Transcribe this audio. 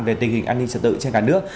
về tình hình an ninh trật tự trên cả nước